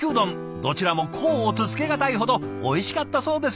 どちらも甲乙つけがたいほどおいしかったそうです。